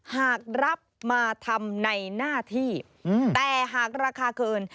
หากรับมาทำในหน้าที่แต่หากราคาเกิน